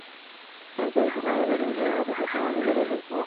আমি চাইছিলাম, আমাদের বিয়ের প্রতিশ্রুতি আমরা নিজেরাই লিখব।